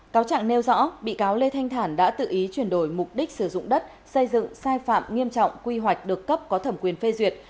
cáo trạng nêu rõ bị cáo lê thanh thản đã tự ý chuyển đổi mục đích sử dụng đất xây dựng sai phạm nghiêm trọng quy hoạch được cấp có thẩm quyền phê duyệt